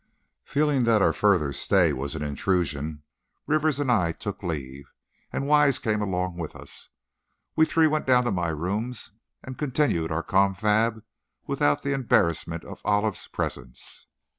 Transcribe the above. Feeling that our further stay was an intrusion, Rivers and I took leave, and Wise came along with us. We three went down to my rooms, and continued our confab without the embarrassment of Olive's presence.